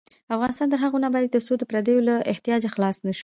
افغانستان تر هغو نه ابادیږي، ترڅو د پردیو له احتیاجه خلاص نشو.